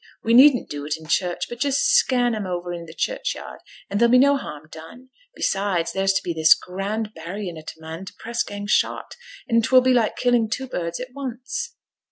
We needn't do it i' church, but just scan 'em o'er i' t' churchyard, and there'll be no harm done. Besides, there's to be this grand burryin' o' t' man t' press gang shot, and 't will be like killing two birds at once.'